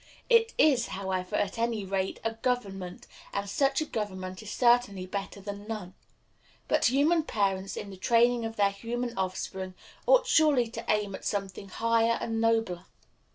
It is, however, at any rate, a government; and such government is certainly better than none. But human parents, in the training of their human offspring, ought surely to aim at something higher and nobler.